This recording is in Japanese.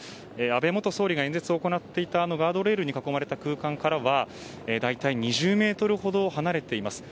安倍元総理が演説を行っていたガードレールに囲まれていた空間からは大体２０ｍほど離れています。